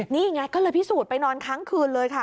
นี่ไงก็เลยพิสูจน์ไปนอนค้างคืนเลยค่ะ